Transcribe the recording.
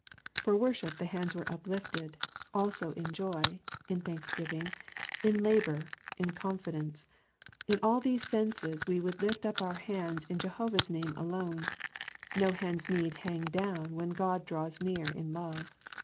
'''* For worship the hands were uplifted, as also in joy, in thanksgiving, in labour, in confidence ; in all these senses we would lift up our hands in Jehovah's name alone. No hands need hang down when God draw^s near in love.